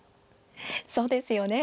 そうですよね。